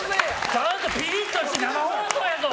ちゃんとピリッとして生放送やぞ！